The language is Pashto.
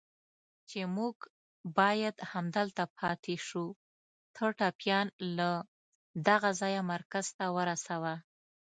چې موږ باید همدلته پاتې شو، ته ټپيان له دغه ځایه مرکز ته ورسوه.